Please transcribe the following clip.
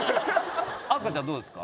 明日香ちゃんどうですか？